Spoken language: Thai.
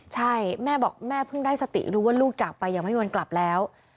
ใช่แม่บอกแม่เพิ่งได้สติรู้ว่าลูกจากไปยังไม่มีวันกลับแล้ว